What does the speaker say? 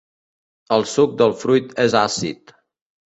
El suc del fruit és àcid.